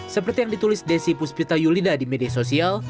seperti yang ditulis desi puspita yulida di media sosial